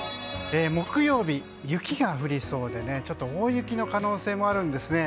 木曜日、雪が降りそうで大雪の可能性もあるんです。